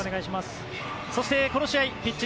そしてこの試合ピッチ